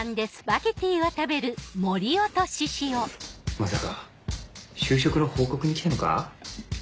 まさか就職の報告に来たのか？